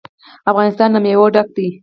افغانستان له مېوې ډک دی.